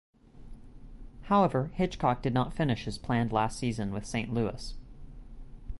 However, Hitchcock did not finish his planned last season with Saint Louis.